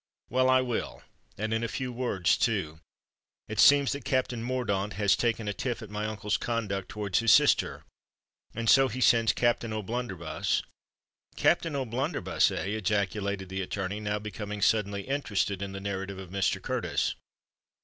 "Well, I will—and in a few words, too. It seems that Captain Mordaunt has taken a tiff at my uncle's conduct towards his sister; and so he sends Captain O'Blunderbuss——" "Captain O'Blunderbuss, eh!" ejaculated the attorney, now becoming suddenly interested in the narrative of Mr Curtis.